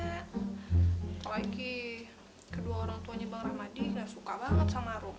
apalagi kedua orang tuanya bang rahmadi gak suka banget sama roh